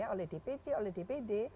oleh dpc oleh dpd